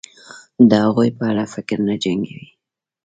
د هغوی په اړه فکر نه جنګوي